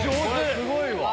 すごいわ！